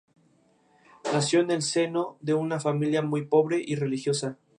Nació en el seno de una familia muy pobre y religiosa.